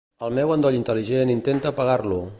El meu endoll intel·ligent, intenta apagar-lo.